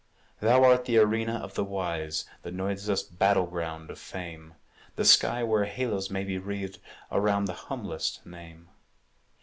Thou art the arena of the wise, The noiseless battle ground of fame; The sky where halos may be wreathed Around the humblest name.